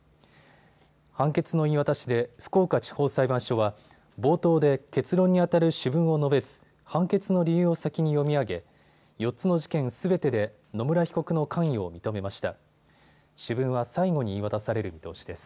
判決の言い渡しで福岡地方裁判所は冒頭で結論にあたる主文を述べず判決の理由を先に読み上げ４つの事件すべてで野村被告の関与を認めました。